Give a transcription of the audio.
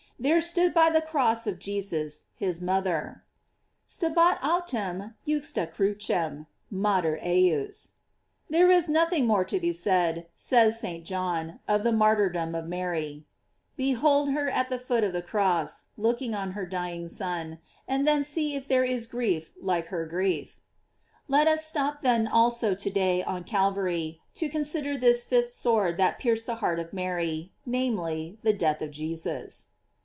There stood by the cross of Jesus his mother: "Stabat autem juxta crucem mater ejus." There is nothing more to be said, says St. John, of the martyrdom of Mary: behold her at the foot of the cross, looking on her dying Son, and then see if there is grief like her grief. Let us stop then also to day on Calvary, to consider this fifth sword that pierced the heart of Mary, namely, the death of Jesus.